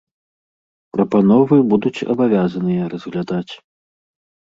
Прапановы будуць абавязаныя разглядаць.